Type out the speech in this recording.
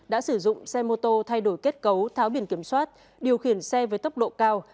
đã sử dụng xe mô tô thay đổi kết cấu tháo biển kiểm soát điều khiển xe với tốc độ cao